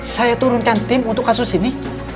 saya turunkan tim untuk kasus ini